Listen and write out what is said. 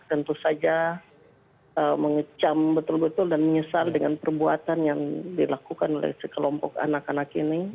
tentu saja mengecam betul betul dan menyesal dengan perbuatan yang dilakukan oleh sekelompok anak anak ini